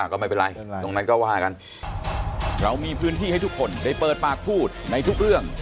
ก็ไม่เป็นไรตรงนั้นก็ว่ากันเรามีพื้นที่ให้ทุกคนได้เปิดปากพูดในทุกเรื่อง